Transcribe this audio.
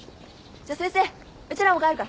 じゃあ先生うちらも帰るから。